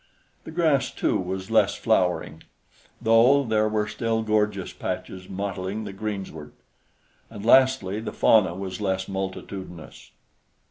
The grass, too, was less flowering, though there were still gorgeous patches mottling the greensward; and lastly, the fauna was less multitudinous.